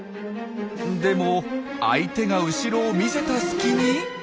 でも相手が後ろを見せた隙に。